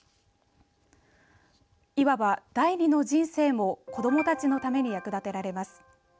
いわば第二の人生も子どもたちに役立てられます。